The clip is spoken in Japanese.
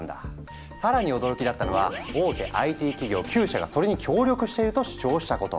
更に驚きだったのは大手ＩＴ企業９社がそれに協力していると主張したこと。